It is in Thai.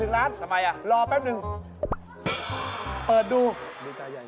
ขย่าวทำไมไม่ได้เป็นข้าวคุกกับไทย